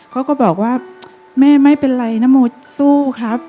เขาก็บอกว่าแม่ไม่เป็นไรนะโมสู้ครับ